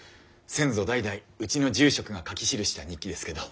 先祖代々うちの住職が書き記した日記ですけど。